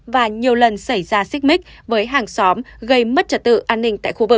và nhiều lần xảy ra xích mích với hàng xóm gây mất trật tự an ninh tại khu vực